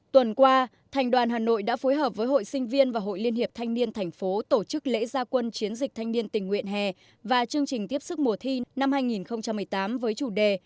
tuần qua thành đoàn hà nội đã phối hợp với hội sinh viên và hội liên hiệp thanh niên thành phố tổ chức lễ gia quân chiến dịch thanh niên tình nguyện hè và chương trình tiếp sức mùa thi năm hai nghìn một mươi tám với chủ đề